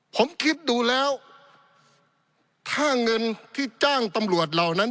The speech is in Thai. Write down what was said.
ผมคิดดูแล้วถ้าเงินที่จ้างตำรวจเหล่านั้น